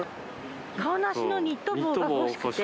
カオナシのニット帽が欲しくて。